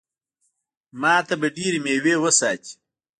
ما ته به ډېرې مېوې وساتي.